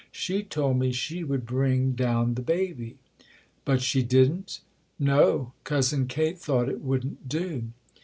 She told me she would bring down the baby." " But she didn't ?"" No, Cousin Kate thought it wouldn't do."